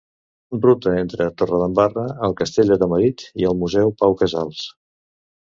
Ruta entre Torredembarra, el Castell de Tamarit i el Museu Pau Casals.